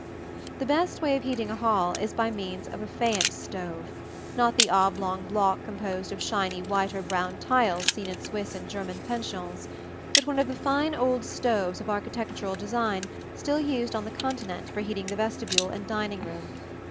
The best way of heating a hall is by means of a faience stove not the oblong block composed of shiny white or brown tiles seen in Swiss and German pensions, but one of the fine old stoves of architectural design still used on the Continent for heating the vestibule and dining room.